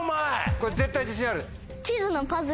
これ絶対自信ある？